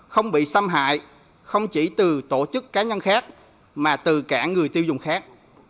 không bị xâm hại không chỉ từ tổ chức cá nhân khác mà từ cả người tiêu dùng khác